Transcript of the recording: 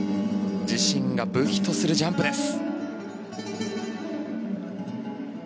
自身が武器とするジャンプです。